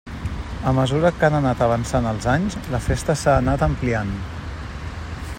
A mesura que han anat avançant els anys, la festa s'ha anat ampliant.